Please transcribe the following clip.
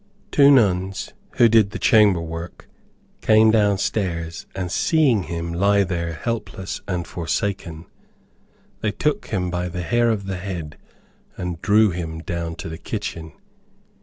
Two nuns, who did the chamber work, came down stairs, and, seeing him lie there helpless and forsaken, they took him by the hair of the head and drew him down to the kitchen.